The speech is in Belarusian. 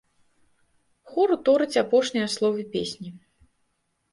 Хор уторыць апошнія словы песні.